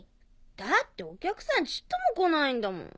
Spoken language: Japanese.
だってお客さんちっとも来ないんだもん。